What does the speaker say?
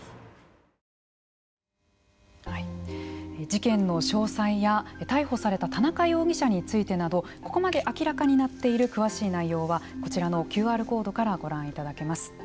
事件の詳細や逮捕された田中容疑者についてなどここまで明らかになっている詳しい内容はこちらのＱＲコードからご覧いただけます。